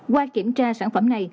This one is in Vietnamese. qua kiểm tra sản phẩm này